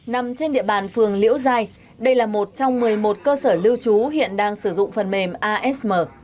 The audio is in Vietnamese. nằm trên địa bàn phường liễu giai đây là một trong một mươi một cơ sở lưu trú hiện đang sử dụng phần mềm asm